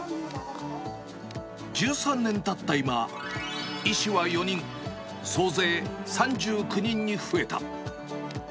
１３年たった今、医師は４人、総勢３９人に増えた。